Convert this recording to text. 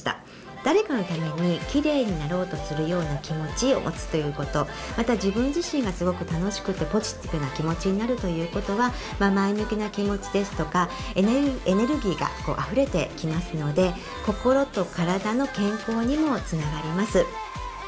誰かのためにキレイになろうとするような気持ちを持つということまた自分自身がすごく楽しくてポジティブな気持ちになるということは前向きな気持ちですとかエネルギーがあふれてきますので心と体の健康にもつながります。